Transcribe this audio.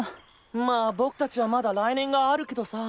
まあ僕達はまだ来年があるけどさ。